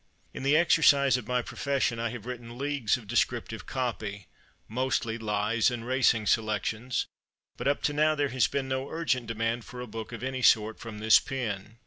In the exercise of my profession I have written leagues of descriptive "copy" mostly lies and racing selections, but up to now there has been no urgent demand for a book of any sort from this pen.